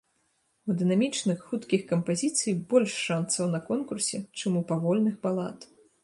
У дынамічных, хуткіх кампазіцый больш шанцаў на конкурсе, чым у павольных балад.